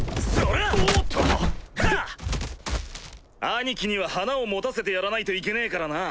兄貴には花を持たせてやらないといけねえからな。